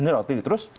ini roti terus